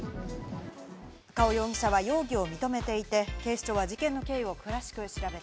カオ容疑者は容疑を認めていて、警視庁は事件の経緯を詳しく調べ